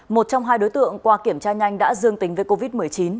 một trong hai đối tượng qua kiểm tra nhanh đã dương tính với covid một mươi chín